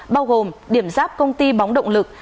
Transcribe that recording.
bao gồm điểm ráp công ty bóng động lực